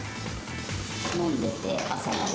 飲んでて、朝まで。